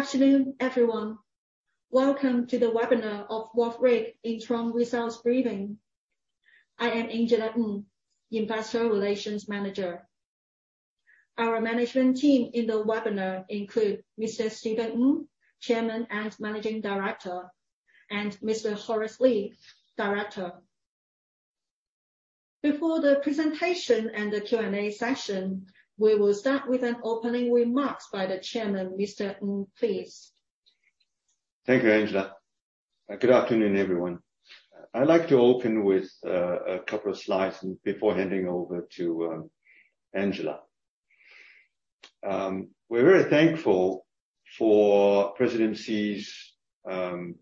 Good afternoon, everyone. Welcome to the webinar of Wharf REIC Interim Results Briefing. I am Angela Ng, Investor Relations Manager. Our management team in the webinar include Mr. Stephen Ng, Chairman and Managing Director, and Mr. Horace Lee, Director. Before the presentation and the Q&A session, we will start with an opening remarks by the Chairman, Mr. Ng, please. Thank you, Angela. Good afternoon, everyone. I'd like to open with a couple of slides before handing over to Angela. We're very thankful for Xi Jinping's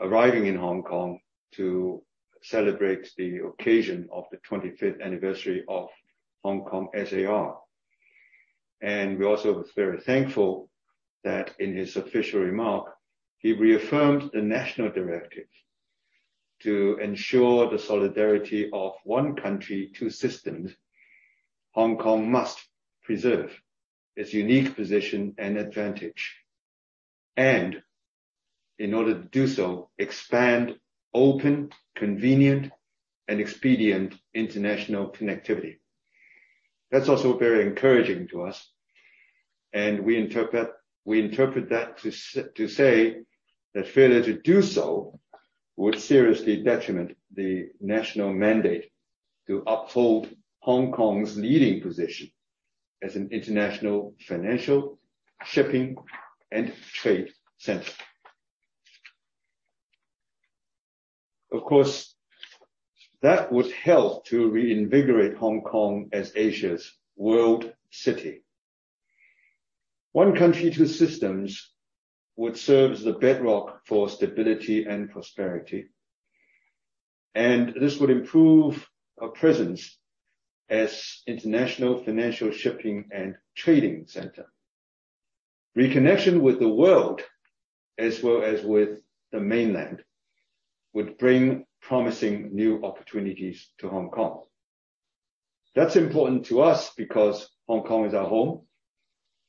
arriving in Hong Kong to celebrate the occasion of the 25th anniversary of Hong Kong SAR. We also was very thankful that in his official remark, he reaffirmed the national directive to ensure the solidarity of One Country, Two Systems. Hong Kong must preserve its unique position and advantage. In order to do so, expand open, convenient, and expedient international connectivity. That's also very encouraging to us, and we interpret that to say that failure to do so would seriously detriment the national mandate to uphold Hong Kong's leading position as an international financial, shipping, and trade center. Of course, that would help to reinvigorate Hong Kong as Asia's world city. One Country, Two Systems would serve as the bedrock for stability and prosperity. This would improve our presence as international financial, shipping, and trading center. Reconnection with the world, as well as with the mainland, would bring promising new opportunities to Hong Kong. That's important to us because Hong Kong is our home.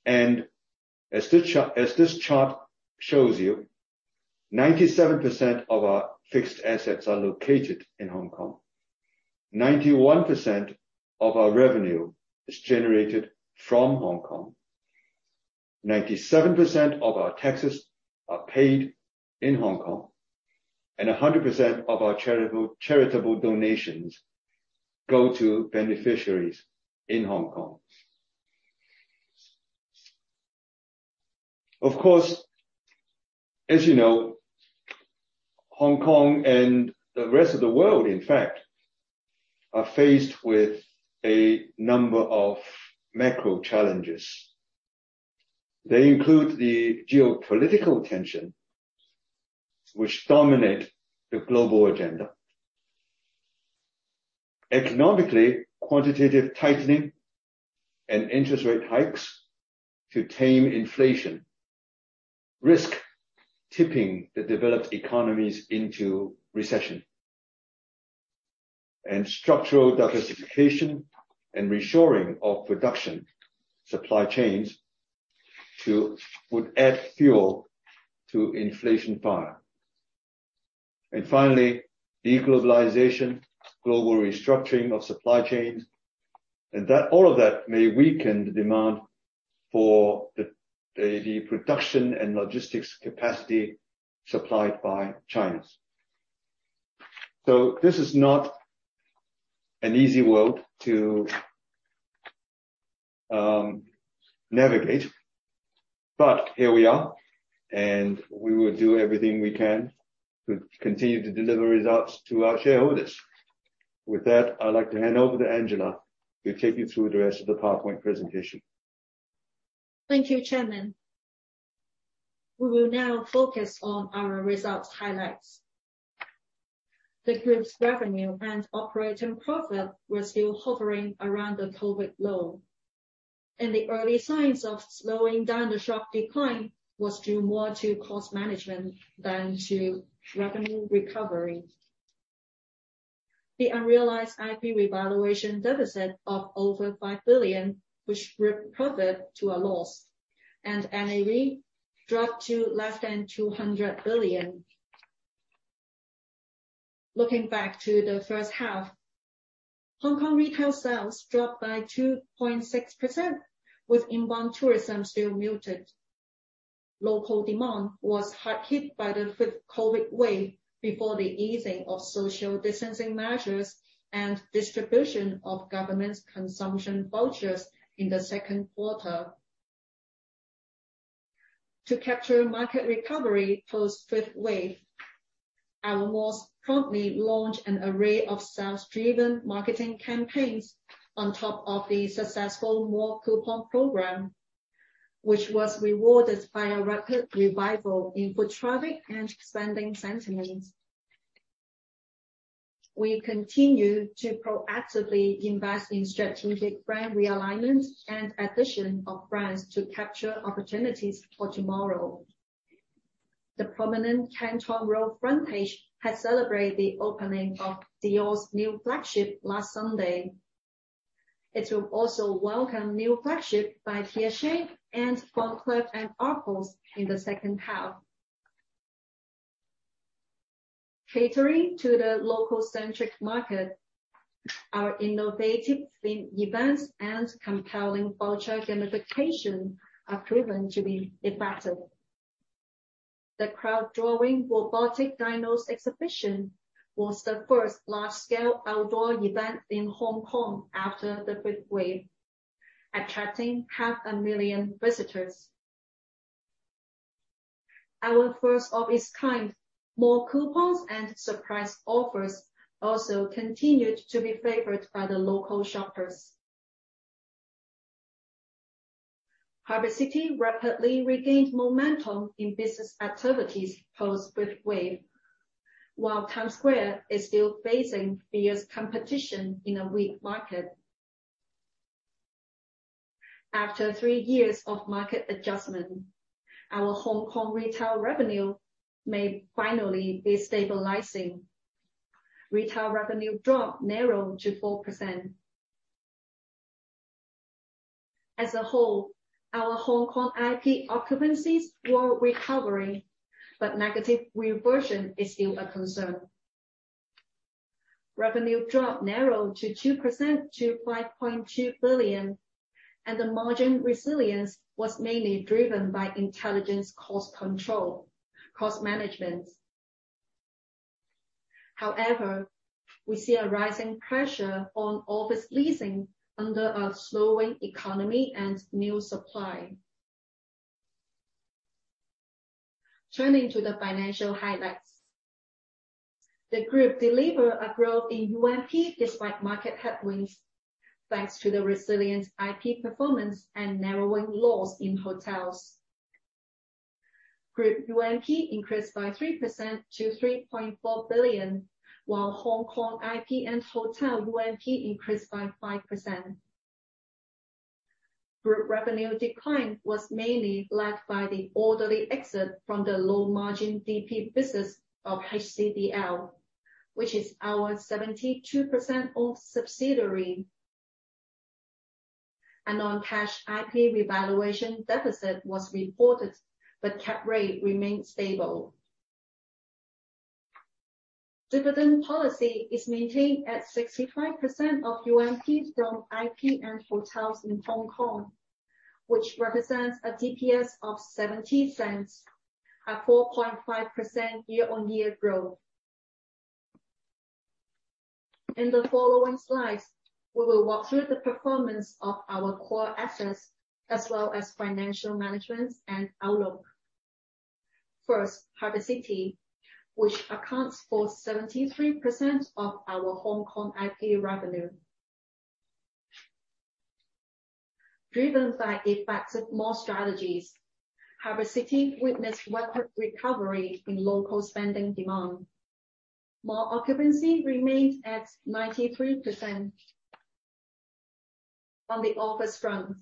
As this chart shows you, 97% of our fixed assets are located in Hong Kong. 91% of our revenue is generated from Hong Kong. 97% of our taxes are paid in Hong Kong. 100% of our charitable donations go to beneficiaries in Hong Kong. Of course, as you know, Hong Kong and the rest of the world, in fact, are faced with a number of macro challenges. They include the geopolitical tension, which dominate the global agenda. Economically, quantitative tightening and interest rate hikes to tame inflation risk tipping the developed economies into recession. Structural diversification and reshoring of production supply chains would add fuel to inflation fire. Finally, de-globalization, global restructuring of supply chains, and that all of that may weaken the demand for the production and logistics capacity supplied by China. This is not an easy world to navigate, but here we are, and we will do everything we can to continue to deliver results to our shareholders. With that, I'd like to hand over to Angela to take you through the rest of the PowerPoint presentation. Thank you, Chairman. We will now focus on our results highlights. The group's revenue and operating profit were still hovering around the COVID low, and the early signs of slowing down the sharp decline was due more to cost management than to revenue recovery. The unrealized IP revaluation deficit of over 5 billion, which turned profit to a loss, and NAV dropped to less than 200 billion. Looking back to the first half, Hong Kong retail sales dropped by 2.6%, with inbound tourism still muted. Local demand was hard hit by the fifth COVID wave before the easing of social distancing measures and distribution of government's consumption vouchers in the second quarter. To capture market recovery post-fifth wave, our malls promptly launched an array of sales-driven marketing campaigns on top of the successful mall coupon program, which was rewarded by a rapid revival in foot traffic and spending sentiment. We continue to proactively invest in strategic brand realignment and acquisition of brands to capture opportunities for tomorrow. The prominent Canton Road frontage has celebrated the opening of Dior's new flagship last Sunday. It will also welcome new flagship by Piaget and Van Cleef & Arpels in the second half. Catering to the local-centric market, our innovative themed events and compelling voucher gamification are proven to be effective. The crowd-drawing robotic dinos exhibition was the first large-scale outdoor event in Hong Kong after the fifth wave, attracting 500,000 visitors. Our first of its kind, mall coupons and surprise offers also continued to be favored by the local shoppers. Harbour City rapidly regained momentum in business activities post-fifth wave, while Times Square is still facing fierce competition in a weak market. After three years of market adjustment, our Hong Kong retail revenue may finally be stabilizing. Retail revenue drop narrowed to 4%. As a whole, our Hong Kong IP occupancies were recovering, but negative reversion is still a concern. Revenue drop narrowed to 2% to 5.2 billion, and the margin resilience was mainly driven by intelligent cost control, cost management. However, we see a rising pressure on office leasing under a slowing economy and new supply. Turning to the financial highlights. The group delivered a growth in UMP despite market headwinds, thanks to the resilient IP performance and narrowing loss in hotels. Group UMP increased by 3% to 3.4 billion, while Hong Kong IP and hotel UMP increased by 5%. Group revenue decline was mainly led by the orderly exit from the low-margin DP business of HCDL, which is our 72% owned subsidiary. A non-cash IP revaluation deficit was reported, but cap rate remained stable. Dividend policy is maintained at 65% of UMP from IP and hotels in Hong Kong, which represents a DPS of 0.70, a 4.5% year-on-year growth. In the following slides, we will walk through the performance of our core assets as well as financial management and outlook. First, Harbour City, which accounts for 73% of our Hong Kong IP revenue. Driven by effective mall strategies, Harbour City witnessed rapid recovery in local spending demand. Mall occupancy remained at 93%. On the office front,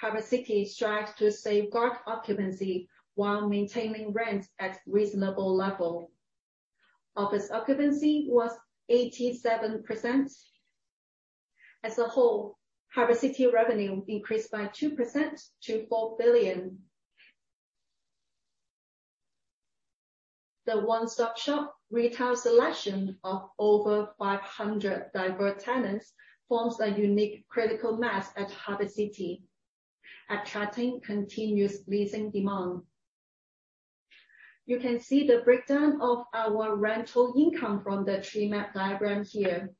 Harbour City strived to safeguard occupancy while maintaining rent at reasonable level. Office occupancy was 87%. As a whole, Harbour City revenue increased by 2% to 4 billion. The one-stop-shop retail selection of over 500 diverse tenants forms a unique critical mass at Harbour City, attracting continuous leasing demand. You can see the breakdown of our rental income from the tree map diagram here.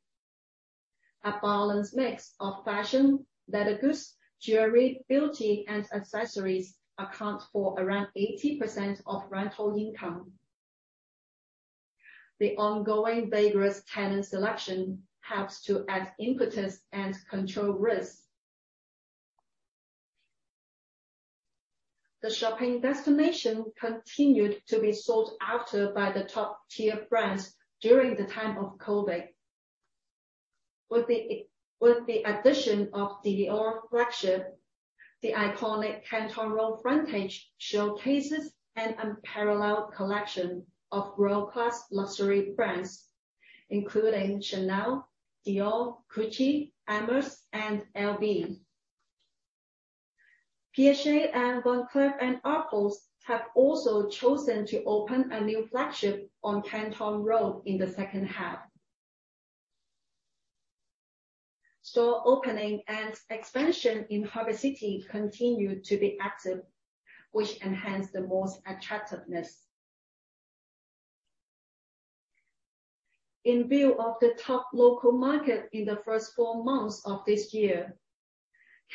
A balanced mix of fashion, leather goods, jewelry, beauty, and accessories account for around 80% of rental income. The ongoing vigorous tenant selection helps to add impetus and control risk. The shopping destination continued to be sought after by the top-tier brands during the time of COVID. With the addition of Dior flagship, the iconic Canton Road frontage showcases an unparalleled collection of world-class luxury brands, including Chanel, Dior, Gucci, Hermès, and LV. Piaget and Van Cleef & Arpels have also chosen to open a new flagship on Canton Road in the second half. Store opening and expansion in Harbour City continued to be active, which enhanced the mall's attractiveness. In view of the tough local market in the first four months of this year,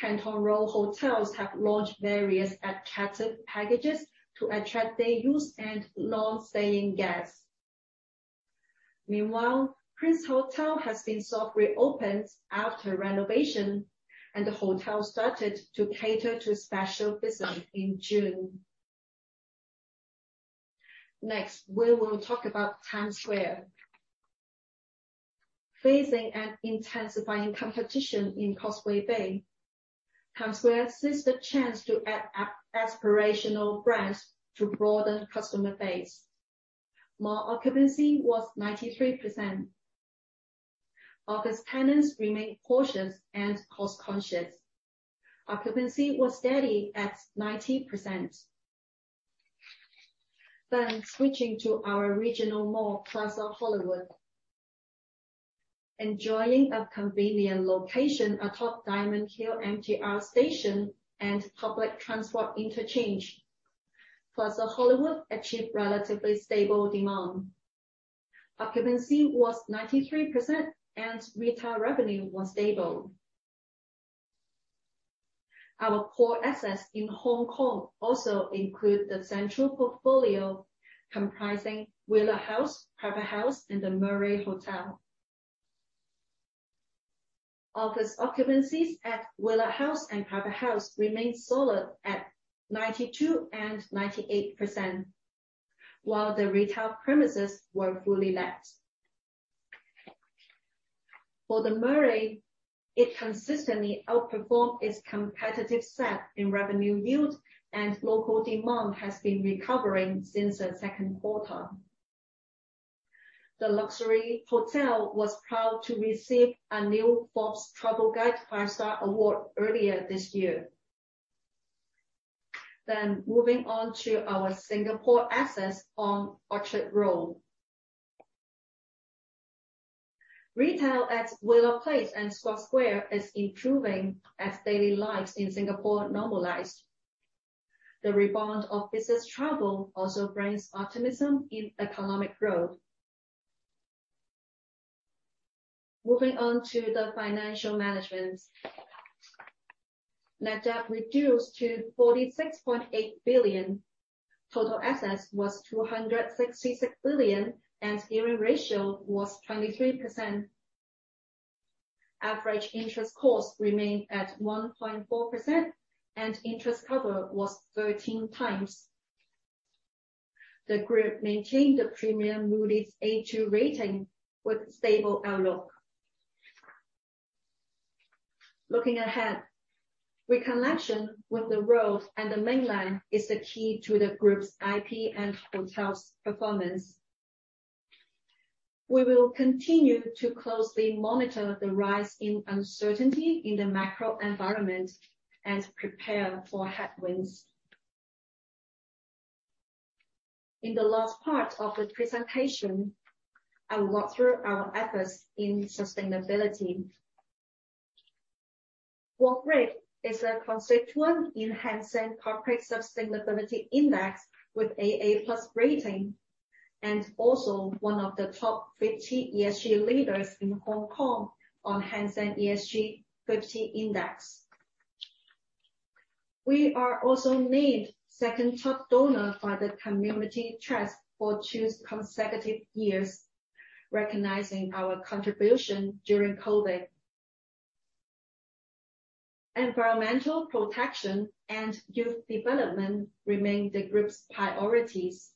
Canton Road hotels have launched various attractive packages to attract day use and non-staying guests. Meanwhile, Prince Hotel has been soft reopened after renovation, and the hotel started to cater to special business in June. Next, we will talk about Times Square. Facing an intensifying competition in Causeway Bay, Times Square seized the chance to add aspirational brands to broaden customer base. Mall occupancy was 93%. Office tenants remained cautious and cost-conscious. Occupancy was steady at 90%. Switching to our regional mall, Plaza Hollywood. Enjoying a convenient location atop Diamond Hill MTR Station and public transport interchange, Plaza Hollywood achieved relatively stable demand. Occupancy was 93% and retail revenue was stable. Our core assets in Hong Kong also include the Central portfolio comprising Wheelock House, Crawford House, and the Murray Hotel. Office occupancies at Wheelock House and Crawford House remained solid at 92% and 98%, while the retail premises were fully let. For the Murray, it consistently outperformed its competitive set in revenue yield, and local demand has been recovering since the second quarter. The luxury hotel was proud to receive a new Forbes Travel Guide Five-Star Award earlier this year. Moving on to our Singapore assets on Orchard Road. Retail at Wheelock Place and Scotts Square is improving as daily lives in Singapore normalize. The rebound of business travel also brings optimism in economic growth. Moving on to the financial management. Net debt reduced to 46.8 billion. Total assets was 266 billion, and gearing ratio was 23%. Average interest cost remained at 1.4%, and interest cover was 13x. The group maintained a premium Moody's A2 rating with stable outlook. Looking ahead, reconnection with the world and the mainland is the key to the group's IP and hotels performance. We will continue to closely monitor the rise in uncertainty in the macro environment and prepare for headwinds. In the last part of the presentation, I will walk through our efforts in sustainability. Wharf Group is a constituent in Hang Seng Corporate Sustainability Index with AA+ rating, and also one of the top 50 ESG leaders in Hong Kong on Hang Seng ESG 50 Index. We are also named second top donor for the community trust for two consecutive years, recognizing our contribution during COVID. Environmental protection and youth development remain the group's priorities.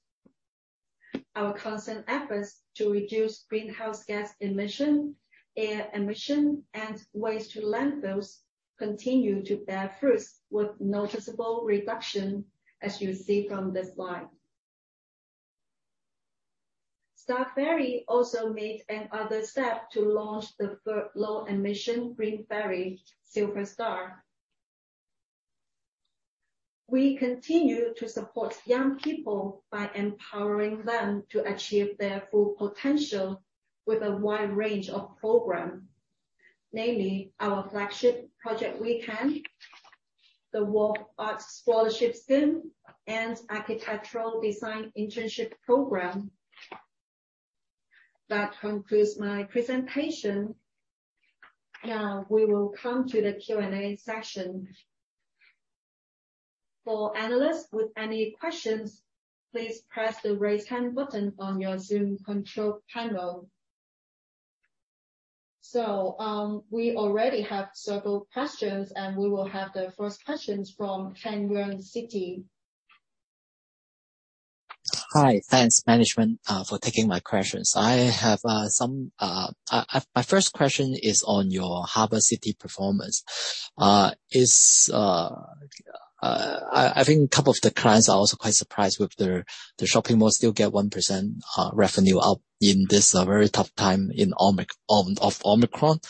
Our constant efforts to reduce greenhouse gas emission, air emission, and waste to landfills continue to bear fruits with noticeable reduction, as you see from this slide. Star Ferry also made another step to launch the third low-emission green ferry, Silver Star. We continue to support young people by empowering them to achieve their full potential with a wide range of program, namely our flagship project, WeCan, the Wharf Arts Scholarship Scheme, and Architectural Design Internship Program. That concludes my presentation. Now we will come to the Q&A session. For analysts with any questions, please press the Raise Hand button on your Zoom control panel. We already have several questions, and we will have the first questions from Ken Yeung, Citi. Hi. Thanks, management, for taking my questions. My first question is on your Harbour City performance. I think a couple of the clients are also quite surprised with their shopping mall still get 1% revenue up in this very tough time of Omicron.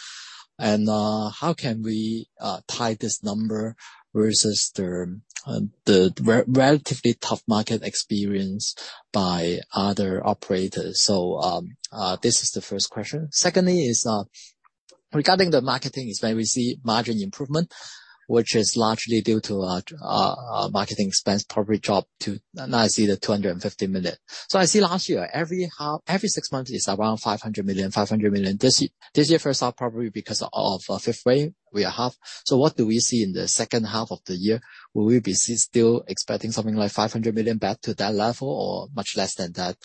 How can we tie this number versus the relatively tough market experience by other operators? This is the first question. Secondly is regarding the marketing is where we see margin improvement, which is largely due to marketing expense probably drop to now I see 250 million. I see last year, every half, every six months is around 500 million. This year, first half, probably because of fifth wave, we are half. What do we see in the second half of the year? Will we be still expecting something like 500 million back to that level or much less than that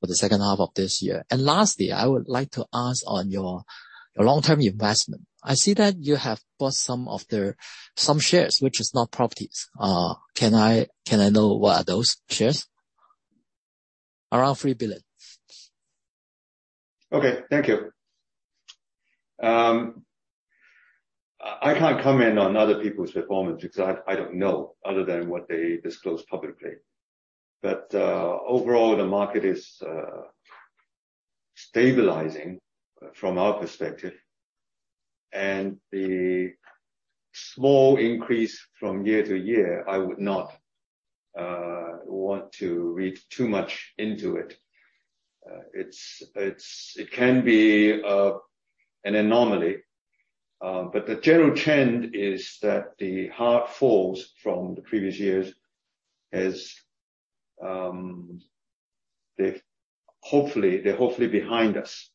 for the second half of this year? Lastly, I would like to ask on your long-term investment. I see that you have bought some shares, which is not properties. Can I know what are those shares? Okay, thank you. I can't comment on other people's performance because I don't know other than what they disclose publicly. Overall, the market is stabilizing from our perspective. The small increase from year-to-year, I would not want to read too much into it. It can be an anomaly, but the general trend is that the hard falls from the previous years is they're hopefully behind us.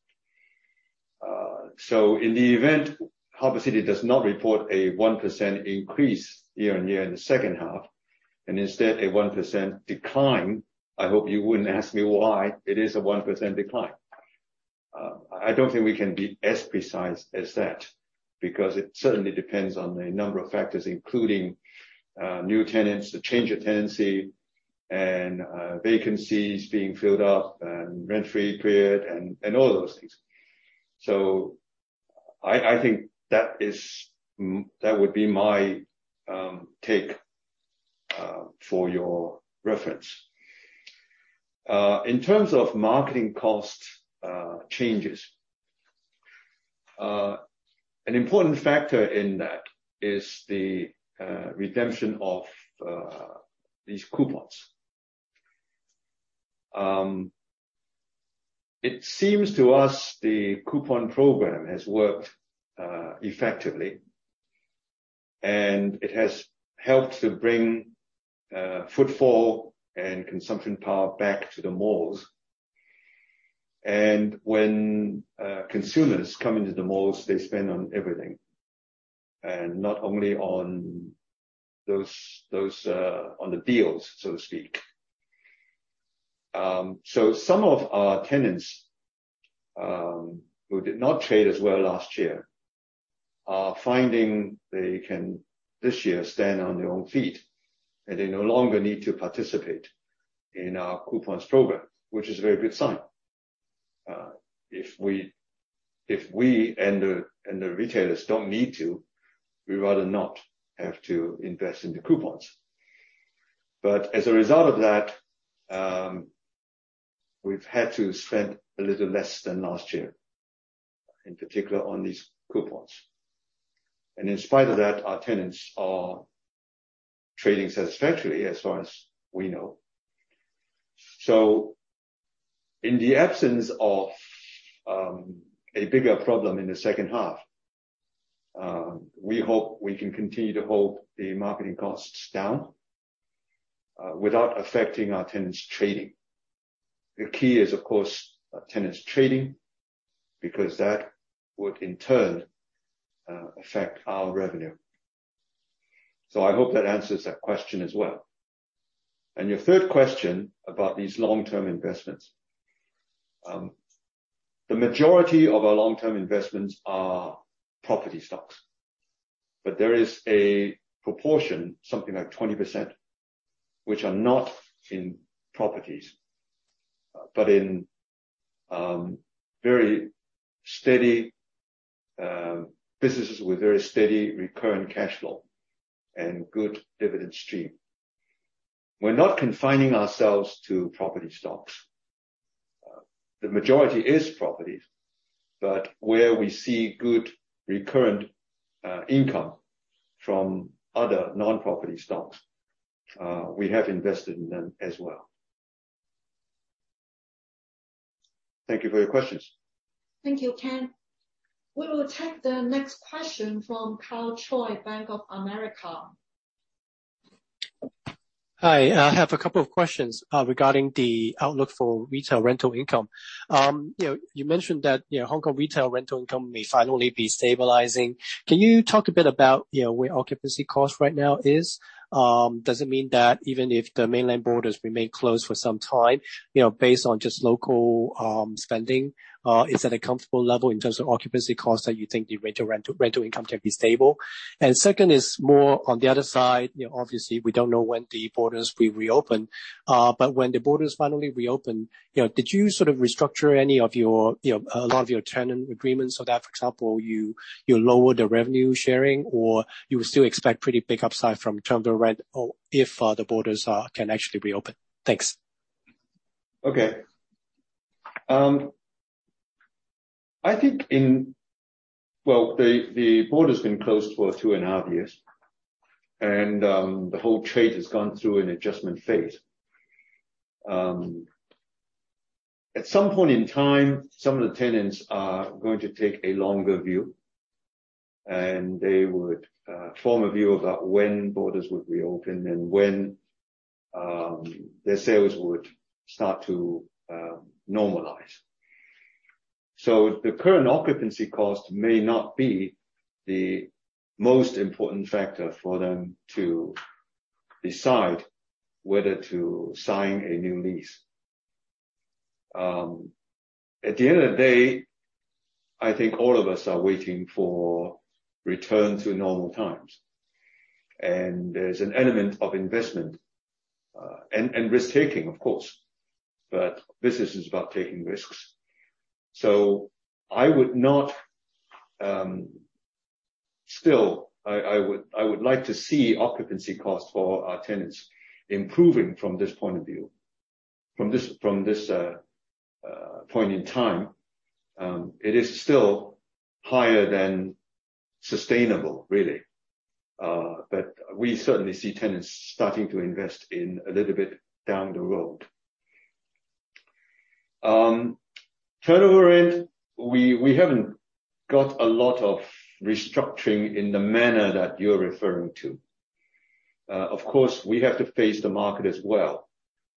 In the event Harbour City does not report a 1% increase year-on-year in the second half, and instead a 1% decline, I hope you wouldn't ask me why it is a 1% decline. I don't think we can be as precise as that, because it certainly depends on a number of factors, including new tenants, the change of tenancy and vacancies being filled up and rent-free period and all those things. I think that would be my take for your reference. In terms of marketing cost changes, an important factor in that is the redemption of these coupons. It seems to us the coupon program has worked effectively, and it has helped to bring footfall and consumption power back to the malls. When consumers come into the malls, they spend on everything, and not only on those on the deals, so to speak. Some of our tenants, who did not trade as well last year, are finding they can this year stand on their own feet, and they no longer need to participate in our coupons program, which is a very good sign. If we and the retailers don't need to, we'd rather not have to invest in the coupons. As a result of that, we've had to spend a little less than last year, in particular on these coupons. In spite of that, our tenants are trading satisfactorily as far as we know. In the absence of a bigger problem in the second half, we hope we can continue to hold the marketing costs down, without affecting our tenants' trading. The key is of course our tenants' trading, because that would in turn affect our revenue. I hope that answers that question as well. Your third question about these long-term investments. The majority of our long-term investments are property stocks, but there is a proportion, something like 20%, which are not in properties, but in very steady businesses with very steady recurrent cash flow and good dividend stream. We're not confining ourselves to property stocks. The majority is properties, but where we see good recurrent income from other non-property stocks, we have invested in them as well. Thank you for your questions. Thank you, Ken. We will take the next question from Karl Choi, Bank of America. Hi. I have a couple of questions regarding the outlook for retail rental income. You know, you mentioned that, you know, Hong Kong retail rental income may finally be stabilizing. Can you talk a bit about, you know, where occupancy cost right now is? Does it mean that even if the mainland borders remain closed for some time, you know, based on just local spending, is at a comfortable level in terms of occupancy costs that you think the rental income can be stable? Second is more on the other side, you know, obviously we don't know when the borders will reopen. When the borders finally reopen, you know, did you sort of restructure any of your, you know, a lot of your tenant agreements so that, for example, you lower the revenue sharing or you would still expect pretty big upside from turnover rent or if the borders can actually reopen? Thanks. Okay. I think well, the border's been closed for two and a half years, and the whole trade has gone through an adjustment phase. At some point in time, some of the tenants are going to take a longer view, and they would form a view about when borders would reopen and when their sales would start to normalize. The current occupancy cost may not be the most important factor for them to decide whether to sign a new lease. At the end of the day, I think all of us are waiting for return to normal times. There's an element of investment and risk-taking, of course, but business is about taking risks. Still, I would like to see occupancy costs for our tenants improving from this point of view. From this point in time, it is still higher than sustainable really. We certainly see tenants starting to invest a little bit down the road. Turnover rent, we haven't got a lot of restructuring in the manner that you're referring to. Of course, we have to face the market as well,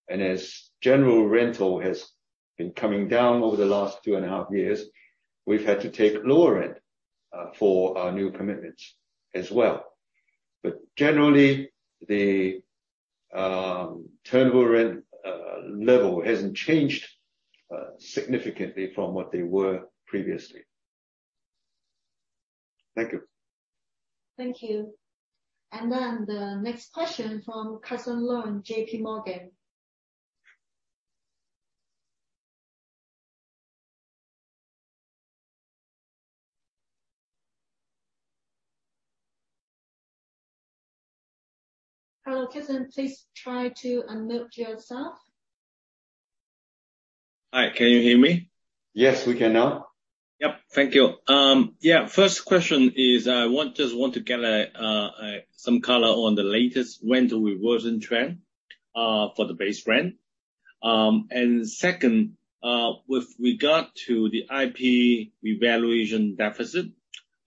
and as general rental has been coming down over the last two and a half years, we've had to take lower rent for our new commitments as well. Generally, the turnover rent level hasn't changed significantly from what they were previously. Thank you. Thank you. The next question from Carson Leung, JPMorgan. Hello, Carson, please try to unmute yourself. Hi, can you hear me? Yes, we can now. Yep, thank you. First question is, just want to get some color on the latest rental reversion trend for the base rent. Second, with regard to the IP revaluation deficit,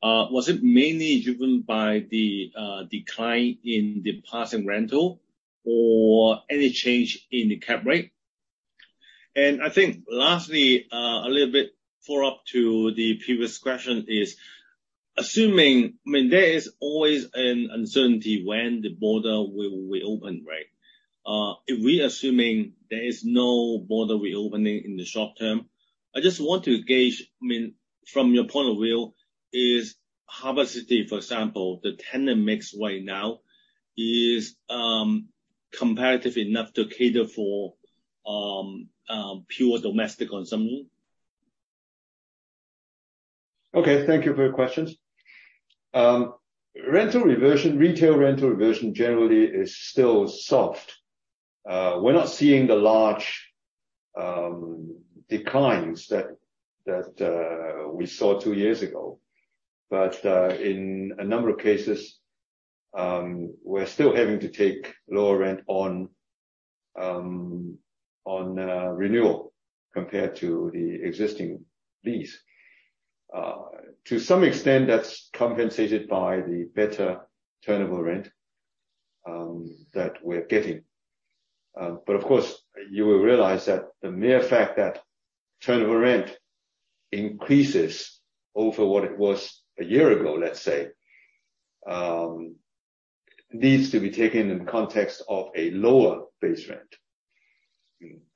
was it mainly driven by the decline in the passing rental or any change in the cap rate? I think lastly, a little bit follow-up to the previous question is assuming, I mean, there is always an uncertainty when the border will reopen, right? If we assuming there is no border reopening in the short term, I just want to gauge, I mean, from your point of view, is Harbour City, for example, the tenant mix right now, is competitive enough to cater for pure domestic consumption? Okay, thank you for your questions. Rental reversion, retail rental reversion generally is still soft. We're not seeing the large declines that we saw two years ago. In a number of cases, we're still having to take lower rent on renewal compared to the existing lease. To some extent, that's compensated by the better turnover rent that we're getting. Of course, you will realize that the mere fact that turnover rent increases over what it was a year ago, let's say, needs to be taken in context of a lower base rent.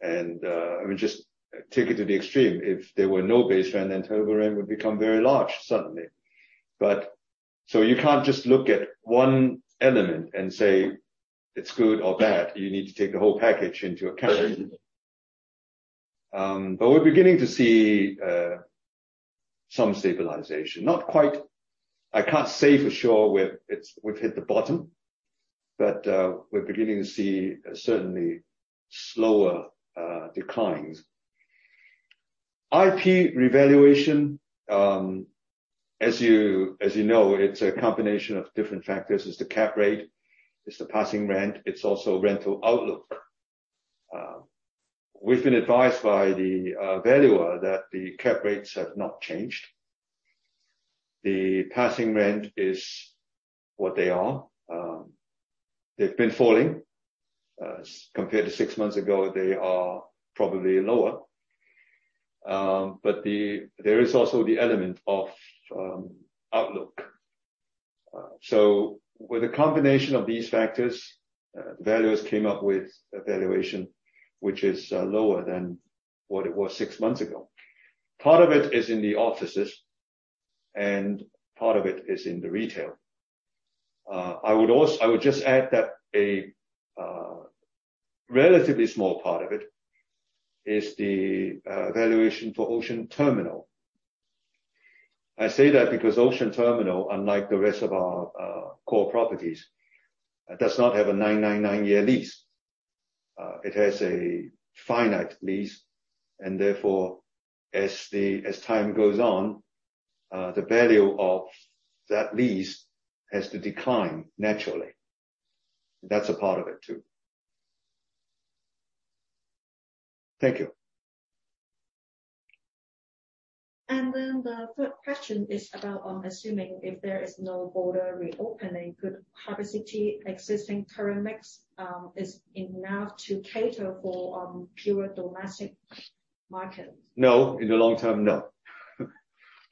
I mean, just take it to the extreme. If there were no base rent, then turnover rent would become very large suddenly. You can't just look at one element and say it's good or bad. You need to take the whole package into account. We're beginning to see some stabilization. Not quite, I can't say for sure we've hit the bottom, but we're beginning to see certainly slower declines. IP revaluation, as you know, it's a combination of different factors. It's the cap rate. It's the passing rent. It's also rental outlook. We've been advised by the valuer that the cap rates have not changed. The passing rent is what they are. They've been falling. Compared to six months ago, they are probably lower. There is also the element of outlook. With a combination of these factors, the valuers came up with a valuation which is lower than what it was six months ago. Part of it is in the offices, and part of it is in the retail. I would just add that a relatively small part of it is the valuation for Ocean Terminal. I say that because Ocean Terminal, unlike the rest of our core properties, does not have a 999-year lease. It has a finite lease and therefore, as time goes on, the value of that lease has to decline naturally. That's a part of it, too. Thank you. The third question is about assuming if there is no border reopening, could Harbour City existing current mix is enough to cater for pure domestic market? No. In the long term, no.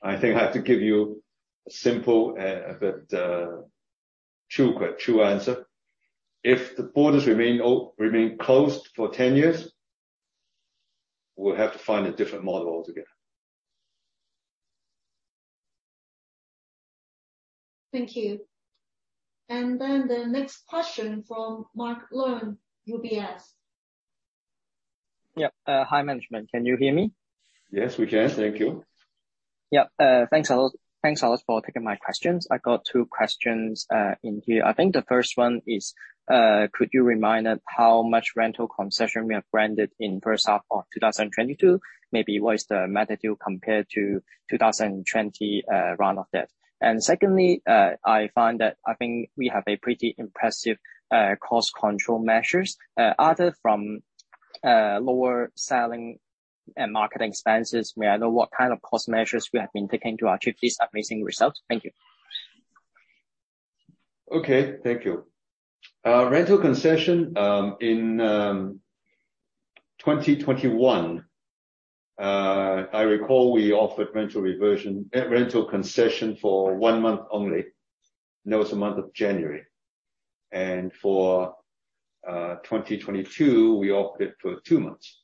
I think I have to give you a simple, but true answer. If the borders remain closed for 10 years, we'll have to find a different model altogether. Thank you. The next question from Mark Leung, UBS. Yeah. Hi, management. Can you hear me? Yes, we can. Thank you. Thanks a lot for taking my questions. I got two questions in here. I think the first one is, could you remind us how much rental concession we have granted in first half of 2022? Maybe what is the magnitude compared to 2020, around that? Secondly, I find that I think we have a pretty impressive cost control measures. Other than lower selling and marketing expenses, may I know what kind of cost measures you have been taking to achieve these amazing results? Thank you. Thank you. Rental concession in 2021, I recall we offered rental concession for one month only, and that was the month of January. For 2022, we offered it for two months.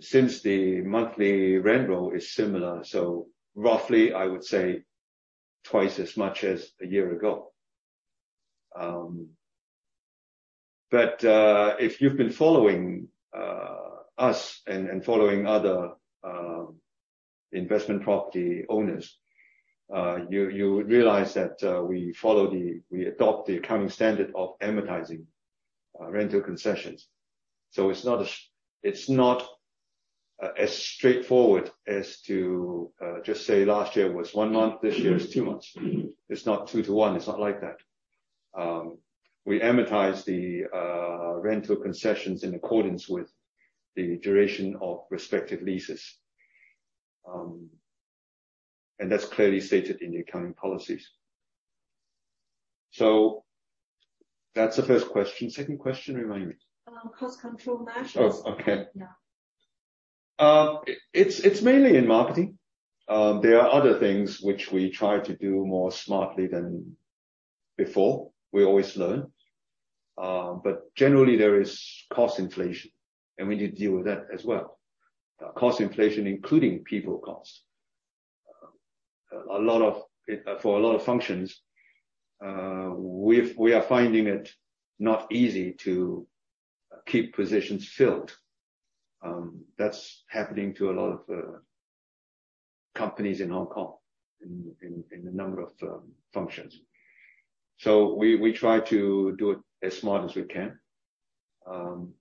Since the monthly rent roll is similar, roughly, I would say twice as much as a year ago. If you've been following us and following other investment property owners, you would realize that we adopt the accounting standard of amortizing rental concessions. It's not as straightforward as to just say last year was one month, this year is two months. It's not two to one. It's not like that. We amortize the rental concessions in accordance with the duration of respective leases. That's clearly stated in the accounting policies. That's the first question. Second question, remind me. Cost control measures. Oh, okay. Yeah. It's mainly in marketing. There are other things which we try to do more smartly than before. We always learn. Generally there is cost inflation, and we need to deal with that as well. Cost inflation, including people cost. For a lot of functions, we are finding it not easy to keep positions filled. That's happening to a lot of companies in Hong Kong in a number of functions. We try to do it as smart as we can.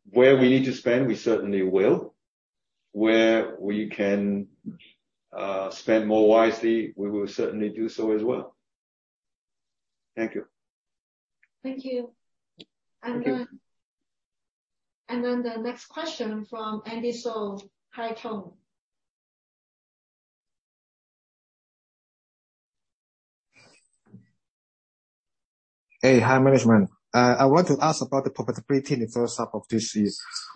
Where we need to spend, we certainly will. Where we can spend more wisely, we will certainly do so as well. Thank you. Thank you. The next question from Andy So, Haitong. Hey. Hi, management. I want to ask about the profitability in the first half of this year.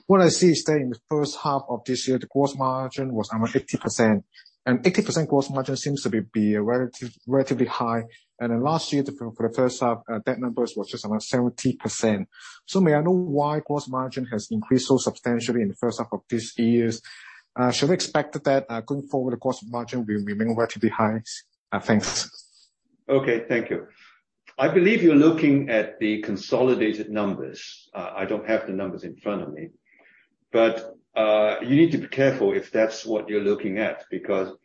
What I see is that in the first half of this year, the gross margin was around 80%. 80% gross margin seems to be relatively high. Last year, for the first half, that number was just around 70%. May I know why gross margin has increased so substantially in the first half of this year? Should we expect that going forward, the cost margin will remain relatively high? Thanks. Okay. Thank you. I believe you're looking at the consolidated numbers. I don't have the numbers in front of me. You need to be careful if that's what you're looking at, because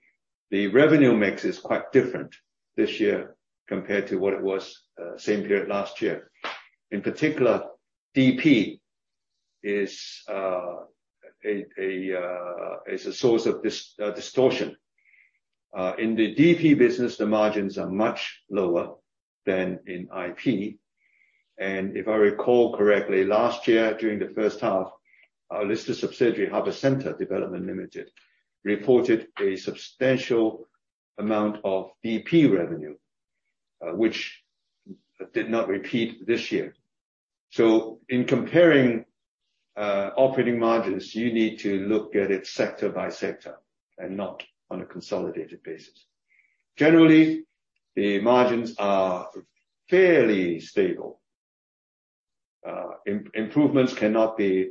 the revenue mix is quite different this year compared to what it was, same period last year. In particular, DP is a source of distortion. In the DP business, the margins are much lower than in IP. If I recall correctly, last year, during the first half, our listed subsidiary, Harbour Centre Development Limited, reported a substantial amount of DP revenue, which did not repeat this year. In comparing operating margins, you need to look at it sector by sector and not on a consolidated basis. Generally, the margins are fairly stable. Improvements cannot be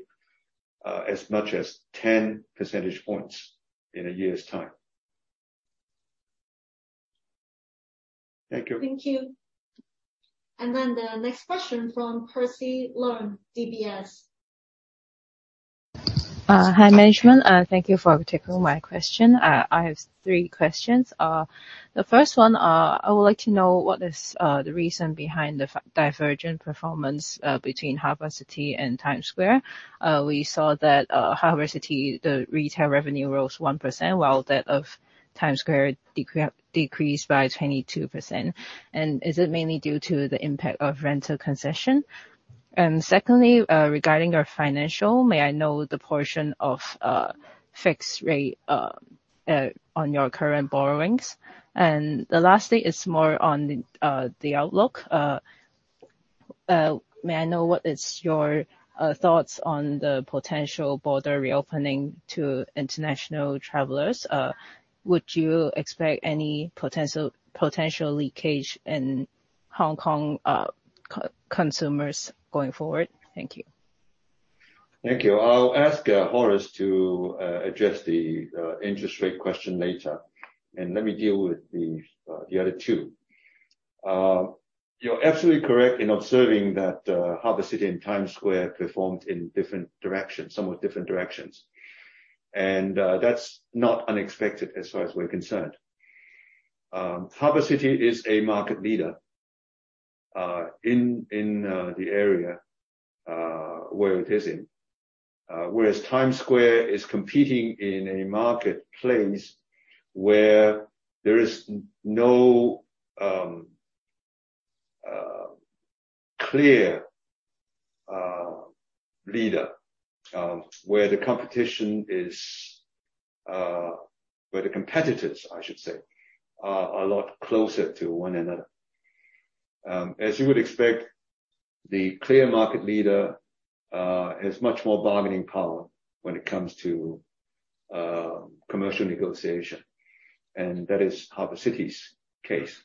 as much as 10 percentage points in a year's time. Thank you. Thank you. The next question from Percy Leung, DBS. Hi, management. Thank you for taking my question. I have three questions. The first one, I would like to know what is the reason behind the divergent performance between Harbour City and Times Square. We saw that Harbour City, the retail revenue rose 1%, while that of Times Square decreased by 22%. Is it mainly due to the impact of rental concession? Secondly, regarding your financial, may I know the portion of fixed rate on your current borrowings? The last thing is more on the outlook. May I know what is your thoughts on the potential border reopening to international travelers? Would you expect any potential leakage in Hong Kong consumers going forward? Thank you. Thank you. I'll ask Horace to address the interest rate question later, and let me deal with the other two. You're absolutely correct in observing that Harbour City and Times Square performed in different directions, somewhat different directions. That's not unexpected as far as we're concerned. Harbour City is a market leader in the area where it is in. Whereas Times Square is competing in a marketplace where there is no clear leader. Where the competitors, I should say, are a lot closer to one another. As you would expect, the clear market leader has much more bargaining power when it comes to commercial negotiation, and that is Harbour City's case.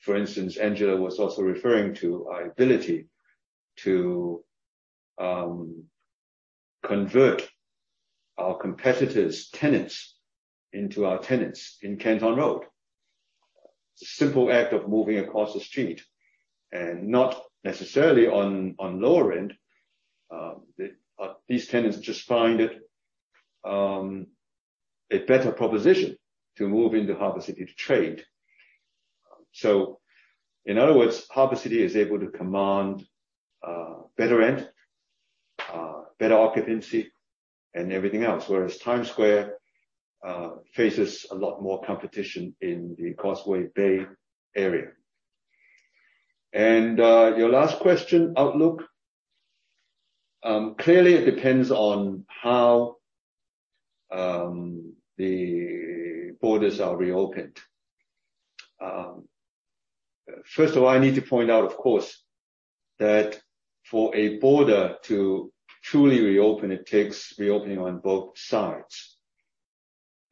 For instance, Angela was also referring to our ability to convert our competitors' tenants into our tenants in Canton Road. The simple act of moving across the street and not necessarily on lower rent, these tenants just find it a better proposition to move into Harbour City to trade. So in other words, Harbour City is able to command better rent, better occupancy and everything else, whereas Times Square faces a lot more competition in the Causeway Bay area. Your last question, outlook. Clearly it depends on how the borders are reopened. First of all, I need to point out, of course, that for a border to truly reopen, it takes reopening on both sides.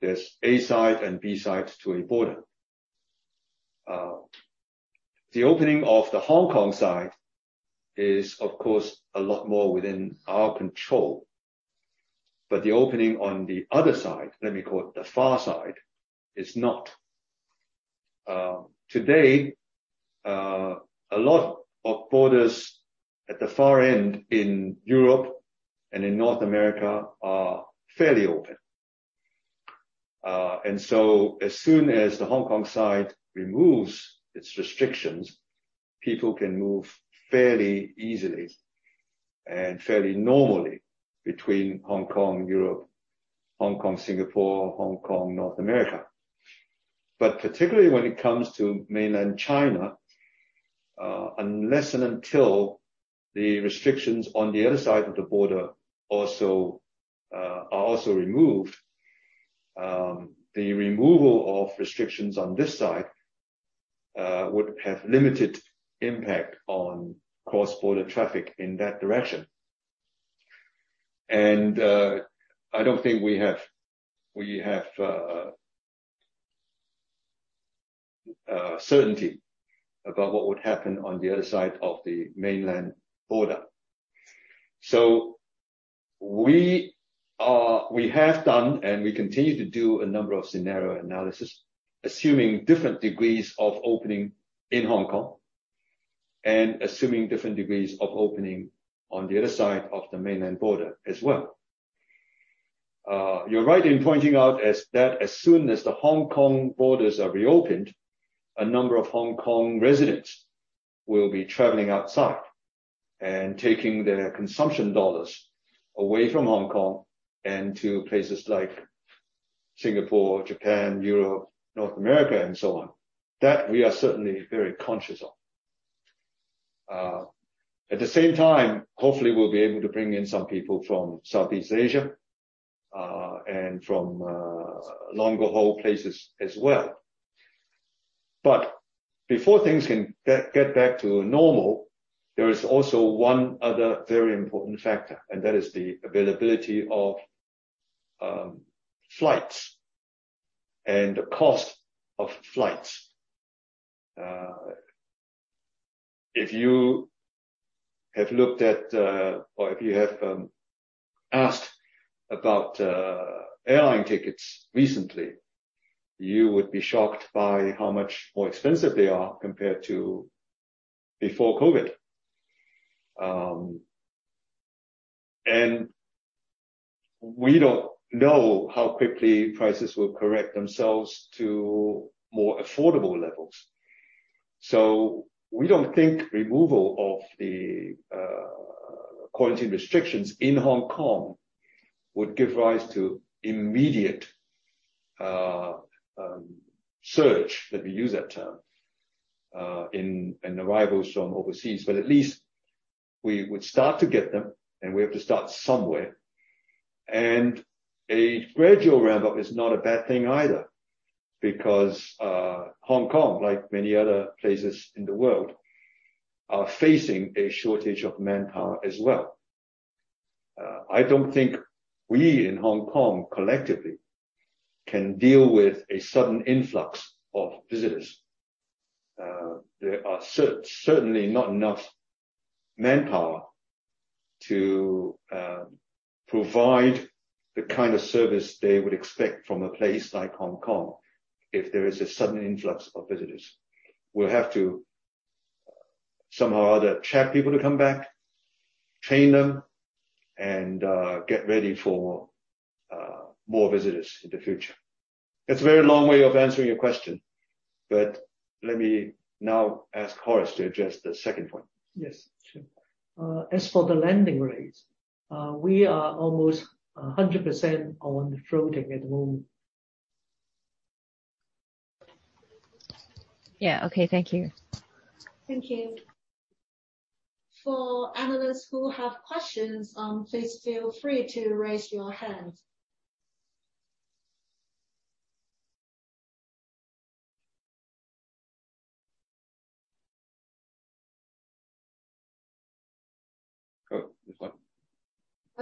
There's A side and B side to a border. The opening of the Hong Kong side is, of course, a lot more within our control, but the opening on the other side, let me call it the far side, is not. Today, a lot of borders at the far end in Europe and in North America are fairly open. As soon as the Hong Kong side removes its restrictions, people can move fairly easily and fairly normally between Hong Kong, Europe, Hong Kong, Singapore, Hong Kong, North America. Particularly when it comes to mainland China, unless and until the restrictions on the other side of the border also are removed, the removal of restrictions on this side would have limited impact on cross-border traffic in that direction. I don't think we have certainty about what would happen on the other side of the mainland border. We have done and we continue to do a number of scenario analysis, assuming different degrees of opening in Hong Kong and assuming different degrees of opening on the other side of the mainland border as well. You're right in pointing out that, as soon as the Hong Kong borders are reopened, a number of Hong Kong residents will be traveling outside and taking their consumption dollars away from Hong Kong and to places like Singapore, Japan, Europe, North America and so on. That we are certainly very conscious of. At the same time, hopefully we'll be able to bring in some people from Southeast Asia and from long-haul places as well. Before things can get back to normal, there is also one other very important factor, and that is the availability of flights and the cost of flights. If you have looked at or if you have asked about airline tickets recently, you would be shocked by how much more expensive they are compared to before COVID. We don't know how quickly prices will correct themselves to more affordable levels. We don't think removal of the quarantine restrictions in Hong Kong would give rise to immediate surge, let me use that term, in arrivals from overseas, but at least we would start to get them and we have to start somewhere. A gradual ramp-up is not a bad thing either, because Hong Kong, like many other places in the world, are facing a shortage of manpower as well. I don't think we in Hong Kong collectively can deal with a sudden influx of visitors. There are certainly not enough manpower to provide the kind of service they would expect from a place like Hong Kong if there is a sudden influx of visitors. We'll have to somehow or other attract people to come back, train them, and get ready for more visitors in the future. It's a very long way of answering your question, but let me now ask Horace to address the second point. Yes, sure. As for the lending rates, we are almost 100% on floating at the moment. Yeah, okay. Thank you. Thank you. For analysts who have questions, please feel free to raise your hand.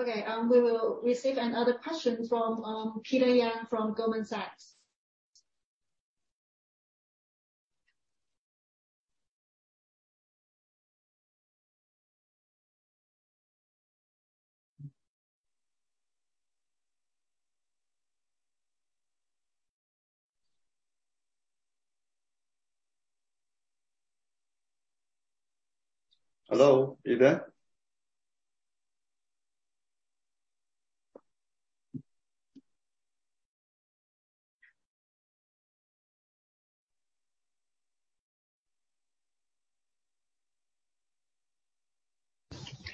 Oh, this one. Okay, we will receive another question from Peter Yang from Goldman Sachs. Hello, Peter.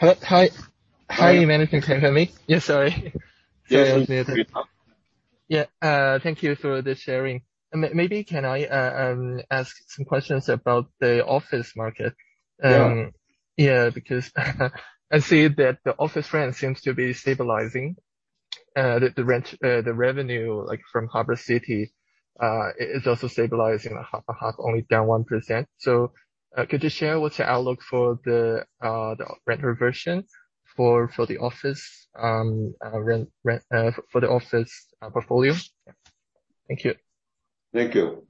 Hello. Hi. Hi, management team. Can you hear me? Yeah, sorry. Yes, we can. Yeah. Thank you for the sharing. Maybe can I ask some questions about the office market? Yeah. Yeah, because I see that the office rent seems to be stabilizing. The revenue, like from Harbour City, is also stabilizing only down 1%. Could you share what's your outlook for the rental reversion for the office rent for the office portfolio? Thank you. Thank you.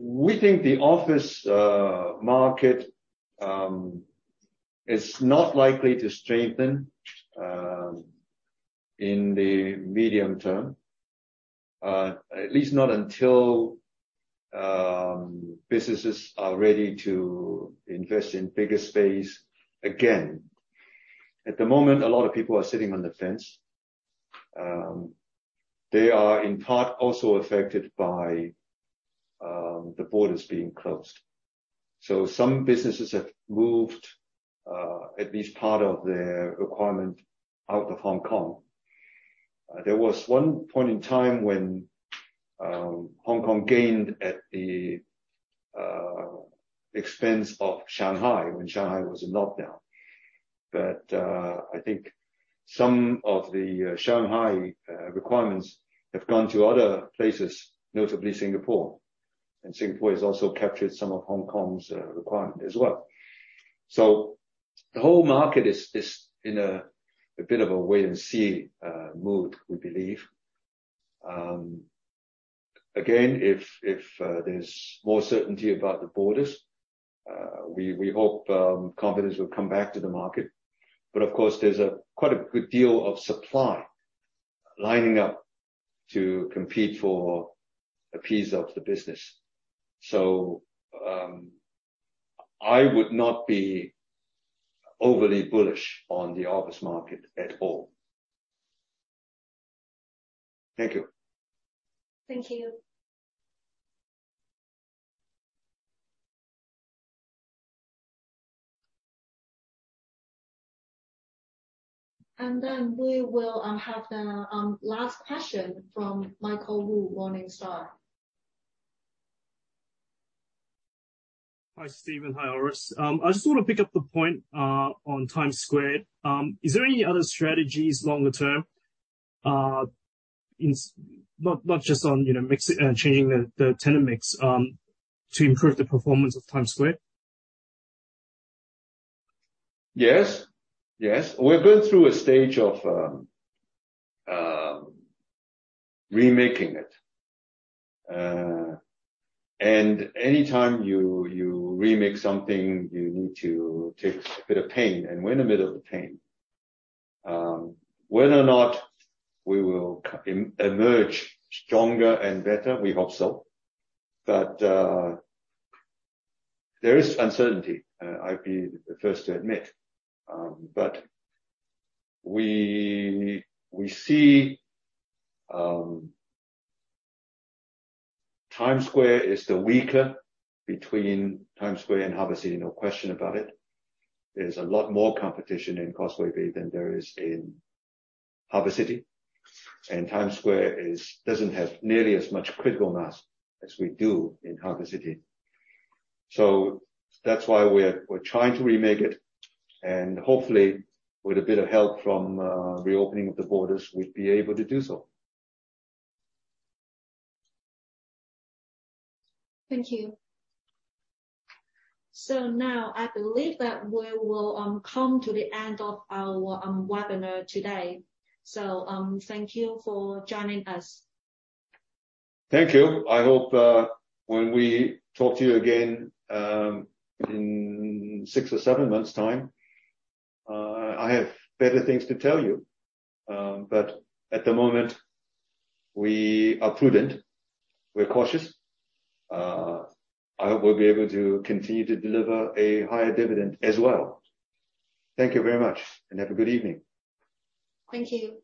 We think the office market is not likely to strengthen in the medium term. At least not until businesses are ready to invest in bigger space again. At the moment, a lot of people are sitting on the fence. They are in part also affected by the borders being closed. Some businesses have moved at least part of their requirement out of Hong Kong. There was one point in time when Hong Kong gained at the expense of Shanghai when Shanghai was in lockdown. I think some of the Shanghai requirements have gone to other places, notably Singapore. Singapore has also captured some of Hong Kong's requirement as well. The whole market is in a bit of a wait and see mood, we believe. Again, if there's more certainty about the borders, we hope confidence will come back to the market. Of course, there's quite a good deal of supply lining up to compete for a piece of the business. I would not be overly bullish on the office market at all. Thank you. Thank you. We will have the last question from Michael Wu, Morningstar. Hi, Stephen. Hi, Horace. I just wanna pick up the point on Times Square. Is there any other strategies longer term, not just on, you know, mix, changing the tenant mix, to improve the performance of Times Square? Yes. Yes. We're going through a stage of remaking it. Anytime you remake something, you need to take a bit of pain, and we're in the middle of the pain. Whether or not we will emerge stronger and better, we hope so. There is uncertainty. I'd be the first to admit. We see Times Square is the weaker between Times Square and Harbour City, no question about it. There's a lot more competition in Causeway Bay than there is in Harbour City. Times Square doesn't have nearly as much critical mass as we do in Harbour City. That's why we're trying to remake it, and hopefully, with a bit of help from reopening of the borders, we'd be able to do so. Thank you. Now, I believe that we will come to the end of our webinar today. Thank you for joining us. Thank you. I hope when we talk to you again in six or seven months time I have better things to tell you. At the moment, we are prudent, we're cautious. I hope we'll be able to continue to deliver a higher dividend as well. Thank you very much, and have a good evening. Thank you.